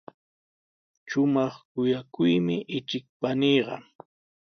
Shumaq kuyakuqmi ichik paniiqa.